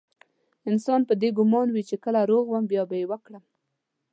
انسان په دې ګمان وي چې کله روغ وم بيا به يې وکړم.